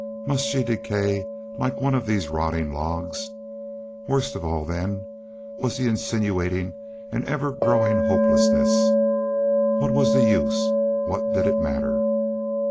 Must she decay there like one of these rotting logs? Worst of all, then, was the insinuating and ever growing hopelessness. What was the use? What did it matter?